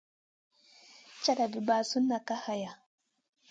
Caʼnda vi mʼasun Kay haya.